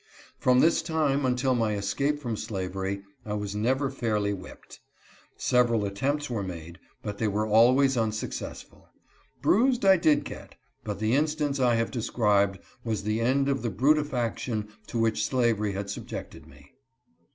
From this time until my escape from slavery, I was never fairly whipped. Several attempts were made, but they were always unsuccessful. Bruised I did get, but the instance I have described was the end of the bru tification to which slavery had subjected me.